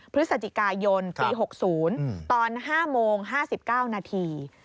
พฤศจิกายนปี๖๐ตอน๕โมง๕๙นาที